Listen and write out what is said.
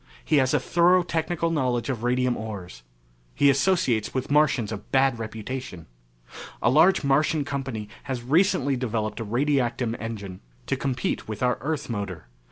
He has a thorough technical knowledge of radium ores. He associates with Martians of bad reputation. A large Martian company has recently developed a radiactum engine to compete with our Earth motor.